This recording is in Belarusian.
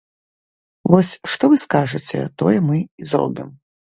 Вось, што вы скажаце, тое мы і зробім.